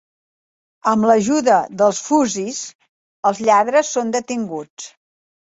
Amb l'ajuda dels Fuzzies, els lladres són detinguts.